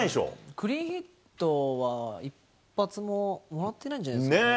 クリーンヒットは一発ももらってないんじゃないですかね。ねぇ？